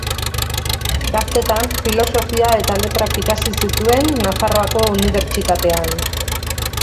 Gaztetan Filosofia eta Letrak ikasi zituen Nafarroako Unibertsitatean.